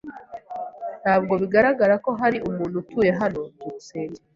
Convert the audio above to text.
Ntabwo bigaragara ko hari umuntu utuye hano. byukusenge